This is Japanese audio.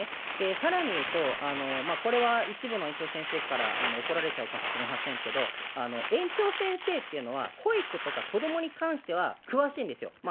さらに言うと、これは一部の園長先生から怒られちゃうかもしれませんけど、園長先生っていうのは、保育とか子どもに関しては詳しいんですよ。